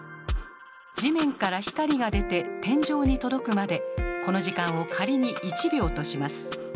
地面から光が出て天井に届くまでこの時間を仮に１秒とします。